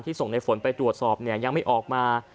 ที่ส่งในฝนไปตรวจสอบยังไม่ออกมา